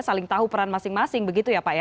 saling tahu peran masing masing begitu ya pak ya